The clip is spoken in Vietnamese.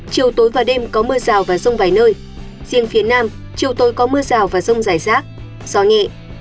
chiều tối và đêm có mưa rào và rông vài nơi gió đông đến đông nam cấp hai cấp ba